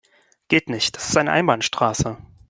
Geht nicht, das ist eine Einbahnstraße.